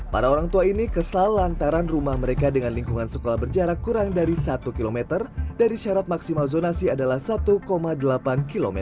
para orang tua ini kesal lantaran rumah mereka dengan lingkungan sekolah berjarak kurang dari satu km dari syarat maksimal zonasi adalah satu delapan km